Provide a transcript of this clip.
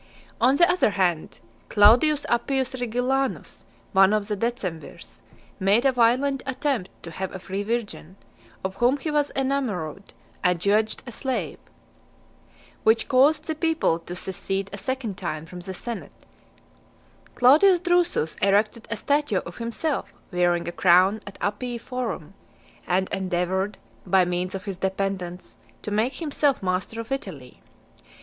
On the other hand, Claudius Appius Regillanus, one of the Decemvirs, made a violent attempt to have a free virgin, of whom he was enamoured, adjudged a slave; which caused the people to secede a second time from the senate . Claudius Drusus erected a statue of himself wearing a crown at Appii Forum , and endeavoured, by means of his dependants, to make himself master of Italy.